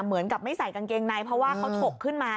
เหมือนกับไม่ใส่กางเกงในเพราะว่าเขาถกขึ้นมา